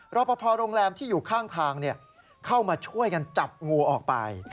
รอปภโรงแรมที่อยู่ข้างทางเข้ามาช่วยกันจับงูออกไป